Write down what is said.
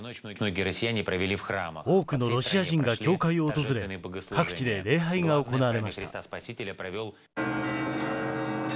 多くのロシア人が教会を訪れ、各地で礼拝が行われました。